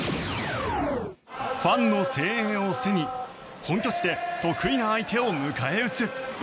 ファンの声援を背に本拠地で得意な相手を迎え撃つ。